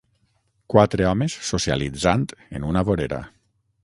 Quatre homes socialitzant en una vorera.